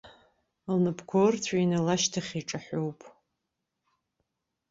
Лнапқәа ырҵәины лышьҭахь иҿаҳәоуп.